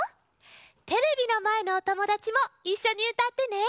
テレビのまえのおともだちもいっしょにうたってね。